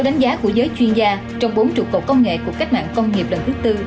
đánh giá của giới chuyên gia trong bốn trục cầu công nghệ của cách mạng công nghiệp lần thứ bốn